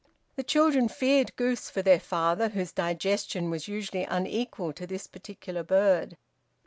The children feared goose for their father, whose digestion was usually unequal to this particular bird.